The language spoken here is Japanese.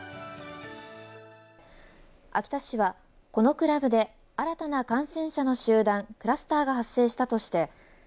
秋田市はこのクラブで新たな感染者の集団クラスターが発生したとして。